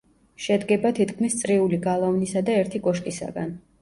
შედგება თითქმის წრიული გალავნისა და ერთი კოშკისაგან.